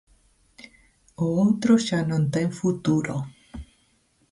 O outro xa non ten futuro.